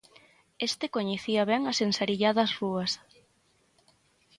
Este coñecía ben as ensarilladas rúas.